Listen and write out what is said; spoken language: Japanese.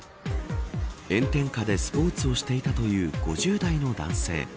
炎天下でスポーツをしていたという５０代の男性。